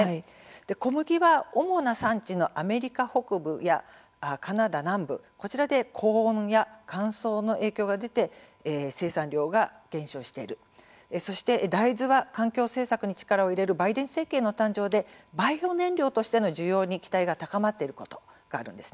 小麦は主な産地のアメリカ北部やカナダ南部こちらで高温や乾燥の影響が出て生産量が、減少しているそして大豆は環境政策に力を入れるバイデン政権の誕生でバイオ燃料としての需要に期待が高まっていることがあるんです。